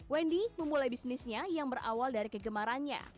wendy memulai bisnisnya yang berawal dari kegemarannya